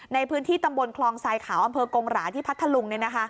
ในพื้นที่ตำบลคลองทรายขาวอำเภอกงหราที่พัทธลุง